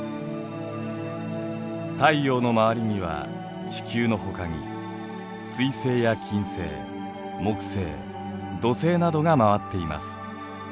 太陽の周りには地球のほかに水星や金星木星土星などが回っています。